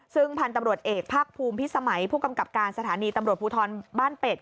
ซึ่งพันธุ์ตำรวจเอกภาคภูมิพิสมัยผู้กำกับการสถานีตำรวจภูทรบ้านเป็ด